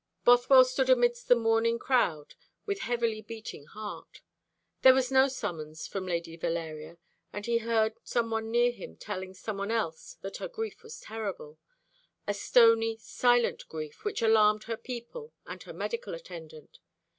Bothwell stood amidst the mourning crowd, with heavily beating heart. There was no summons from Lady Valeria, and he heard some one near him telling some one else that her grief was terrible a stony, silent grief, which alarmed her people and her medical attendant.